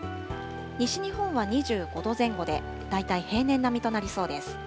西日本は２５度前後で、大体平年並みとなりそうです。